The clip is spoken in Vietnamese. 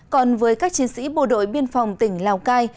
còn với các chiến sĩ bộ đội biên phòng tỉnh lào cai